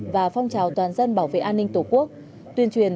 và phong trào toàn dân bảo vệ an ninh tổ quốc tuyên truyền